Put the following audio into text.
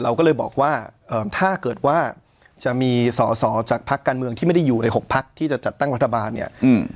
เราก็เลยบอกว่าเอ่อถ้าเกิดว่าจะมีสอสอจากพักการเมืองที่ไม่ได้อยู่ในหกพักที่จะจัดตั้งรัฐบาลเนี่ย